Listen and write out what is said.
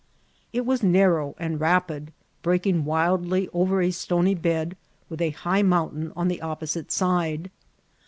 It was narrow and rapid, breaking wildly over a stony bed, with a hig^ mountain on the opposite side.